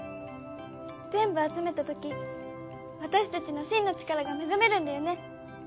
全部集めたとき私たちの真の力が目覚めるんだよね！